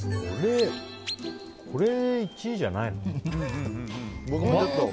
これ１位じゃないの？